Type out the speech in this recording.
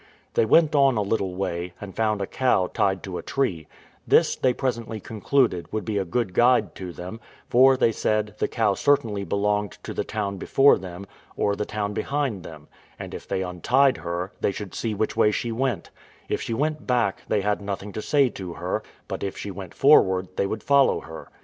They went on a little way, and found a cow tied to a tree; this, they presently concluded, would be a good guide to them; for, they said, the cow certainly belonged to the town before them, or the town behind them, and if they untied her, they should see which way she went: if she went back, they had nothing to say to her; but if she went forward, they would follow her.